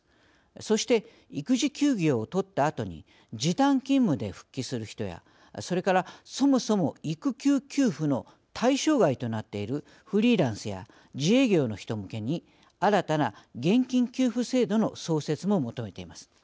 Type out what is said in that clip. そして、育児休業を取ったあとに時短勤務で復帰する人やそれからそもそも育休給付の対象外となっているフリーランスや自営業の人向けに新たな現金給付制度の創設も求めています。